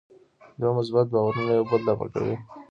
دوه مثبت بارونه یو بل دفع کوي.